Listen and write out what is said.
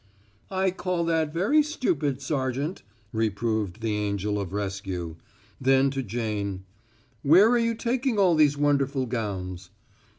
"I call that very stupid, Sergeant," reproved the angel of rescue. Then to Jane "Where are you taking all these wonderful gowns?"